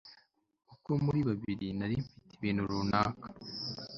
uko muri babiri Nari mfite ibintu runaka